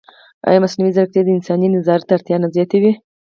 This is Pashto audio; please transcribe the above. ایا مصنوعي ځیرکتیا د انساني نظارت اړتیا نه زیاتوي؟